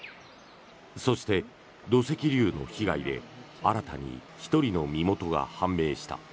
そして、土石流の被害で新たに１人の身元が判明した。